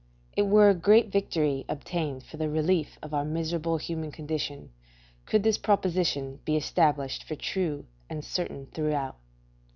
It were a great victory obtained for the relief of our miserable human condition, could this proposition be established for certain and true throughout.